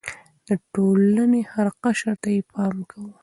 د ټولنې هر قشر ته يې پام و.